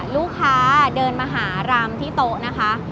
ลูกค้าเดินมาหารำที่โต๊ะนะคะ